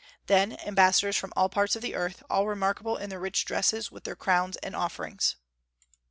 Then ambassadors from all parts of the earth, all remarkable in their rich dresses, with their crowns and offerings.